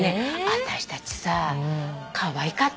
私たちさかわいかったね。